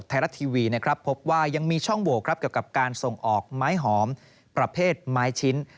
ไทรัติวีพบว่ายังมีช่องโหว่เกี่ยวกับการส่งออกไม้หอมประเภทไม้ชิ้น